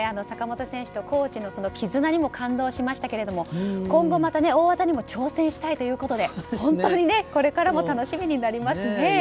坂本選手とコーチの絆にも感動しましたけど今後、大技にも挑戦したいということですので本当にこれからも楽しみになりますね。